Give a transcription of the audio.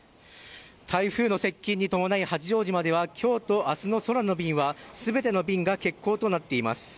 台風の接近に伴い、八丈島ではきょうとあすの空の便は、すべての便が欠航となっています。